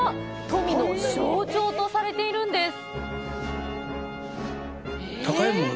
富の象徴とされているんです！